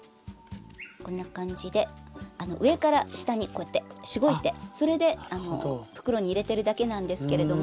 こんな感じで上から下にこうやってしごいてそれで袋に入れてるだけなんですけれども。